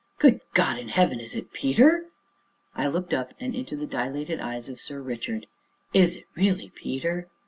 good God in heaven! is it Peter?" I looked up and into the dilated eyes of Sir Richard. "Is it really Peter?"